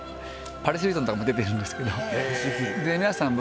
パリス・ヒルトンとかも出てるんですけど。